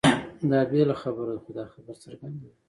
دا بېله خبره ده؛ خو دا خبره څرګنده ده،